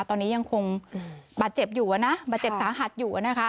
ตอนนี้ยังคงบาดเจ็บอยู่นะบาดเจ็บสาหัสอยู่นะคะ